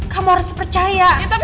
kamu harus percaya